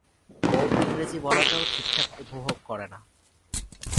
ও ইংরেজি বলাটাও ঠিকঠাক উপভোগ করে না।